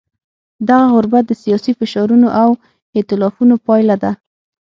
دغه غربت د سیاسي فشارونو او ایتلافونو پایله ده.